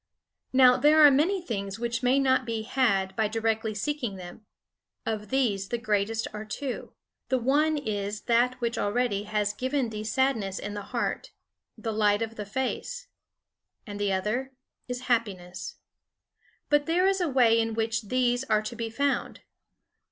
"Now there are many things which may not be had by directly seeking them; of these the greatest are two. The one is that which already has given thee sadness in the heart, the Light of the Face. And the other is happiness. "But there is a way in which these are to be found.